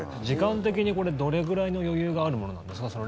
時間的にどれぐらいの余裕があるものなんですか？